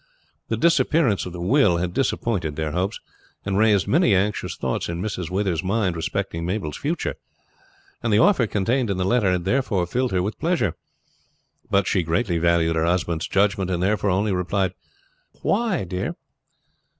The disappearance of the will had disappointed their hopes, and raised many anxious thoughts in Mrs. Withers' mind respecting Mabel's future, and the offer contained in the letter had therefore filled her with pleasure. But she greatly valued her husband's judgment, and therefore only replied: "Why, dear?"